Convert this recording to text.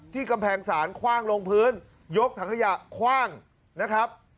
กำแพงศาลคว่างลงพื้นยกถังขยะคว่างนะครับ